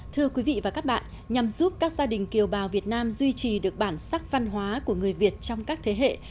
thưa quý vị và các bạn nhằm giúp các gia đình kiều bào việt nam duy trì được bản sắc văn hóa của người việt trong các thế hệ